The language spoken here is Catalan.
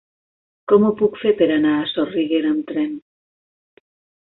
Com ho puc fer per anar a Soriguera amb tren?